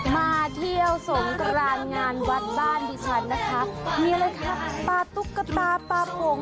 มาเที่ยวสงกรานงานวัดบ้านดิฉันนะคะมีอะไรคะปลาตุ๊กตาปลาโป่ง